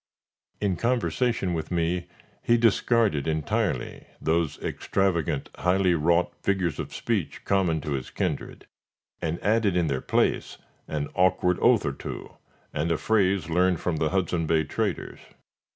In conversation with me, he discarded entirely those extravagant, highly wrought figures of speech common to his kindred, and added in their place an awkward oath or two, and a phrase learned from the Hudson Bay traders.